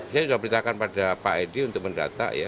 saya sudah beritakan pada pak edi untuk mendata ya